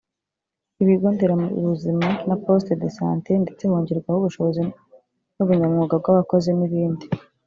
ibigo nderabuzima na Poste de Santé ndetse hongerwa ubushobozi n’ubunyamwuga bw’abakozi n’ibindi